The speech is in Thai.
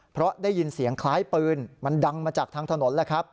เพราะได้ยินเสียงคล้ายปืนมันดังมาจากทางถนนแล้วครับ